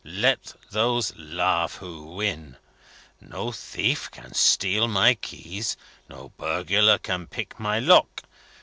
Let those laugh who win. No thief can steal my keys. No burglar can pick my lock.